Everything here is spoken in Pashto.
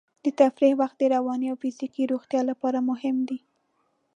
د تفریح وخت د رواني او فزیکي روغتیا لپاره مهم دی.